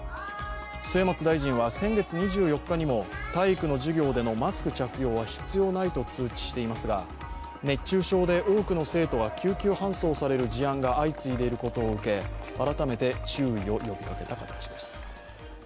末松大臣は先月２４日にも体育の授業でのマスク着用は必要ないと通知していますが、熱中症で多くの生徒が救急搬送される事案が相次いでいることを受け改めて注意を呼びかけた形です。